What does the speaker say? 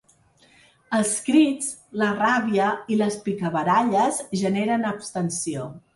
Els crits, la ràbia i les picabaralles generen abstenció.